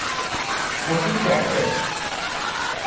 Ha tu fratres?